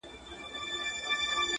او د نورو شاعرانو په څیر